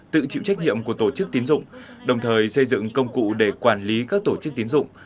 tự chịu trách nhiệm của tổ chức tín dụng đồng thời xây dựng công cụ để quản lý các tổ chức tiến dụng